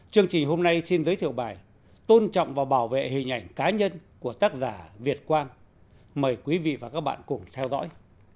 chương trình hôm nay xin giới thiệu bài tôn trọng và bảo vệ hình ảnh cá nhân của tác giả việt quang mời quý vị và các bạn cùng theo dõi